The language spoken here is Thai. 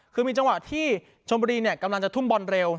คือมีจังหวะที่ชมบุรีกำลังจะทุ่มบอลเร็ว